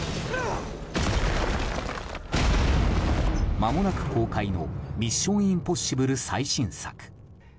まもなく公開の「ミッション：インポッシブル」最新作。